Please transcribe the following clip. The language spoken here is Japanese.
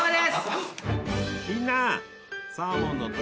みんな！